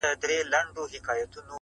په مخلوق کي اوسېدله خو تنها وه -